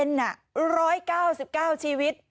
ร้อยเก้าสิบเก้าชีวิต